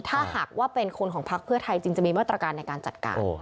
ถ้าหากว่าเป็นคนของพักเพื่อไทยจึงจะมีมาตรการในการจัดการ